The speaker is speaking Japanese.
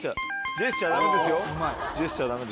ジェスチャーダメですよ。